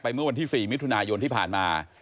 เมื่อวันที่๔มิถุนายนที่ผ่านมา